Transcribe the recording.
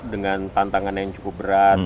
dengan tantangan yang cukup berat